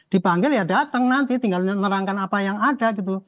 dipanggil ya datang nanti tinggal nerangkan apa yang ada gitu